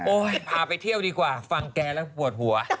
พาไปเที่ยวดีกว่าฟังแกแล้วปวดหัว